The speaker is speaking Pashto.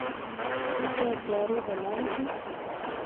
آیا تیارې به لاړې شي؟